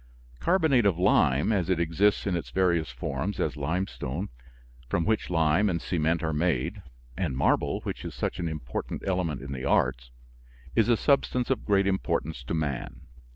Carbonate of lime as it exists in its various forms, as limestone, from which lime and cement are made, and marble, which is such an important element in the arts is a substance of great importance to man.